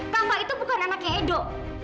kakak itu bukan anaknya edo